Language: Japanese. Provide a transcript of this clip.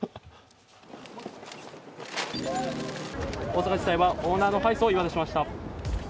大阪地裁はオーナーの敗訴を言い渡しました。